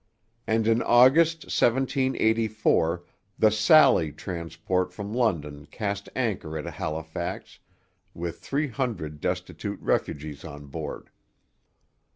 And in August 1784 the Sally transport from London cast anchor at Halifax with three hundred destitute refugees on board.